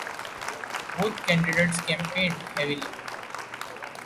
Both candidates campaigned heavily.